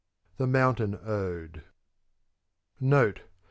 THE MOUNTAIN ODE 417 Note.